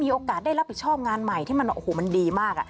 มีโอกาสได้รับผิดชอบงานใหม่ที่มันดีมาก